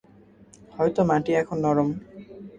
হয়তো মাটি এখন নরম।